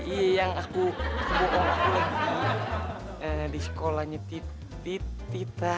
iya yang aku bohong lagi di sekolahnya ti ti tita